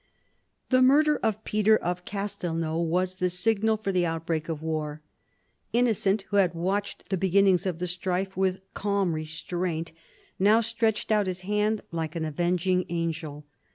The murder of Peter of Castelnau was the signal for the outbreak of war. Innocent, who had watched the beginnings of the strife with calm restraint, now stretched out his hand like an avenging angel.